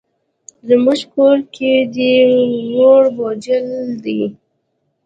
زموږ کورګی دی ووړ بوجل دی.